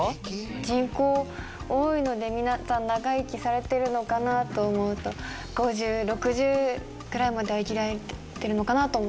人口多いので皆さん長生きされてるのかなと思うと５０６０くらいまでは生きられてるのかなと思います。